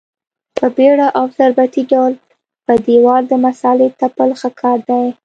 په بېړه او ضربتي ډول په دېوال د مسالې تپل ښه کار دی.